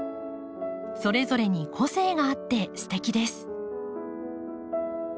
それぞれに個性があってすてきです。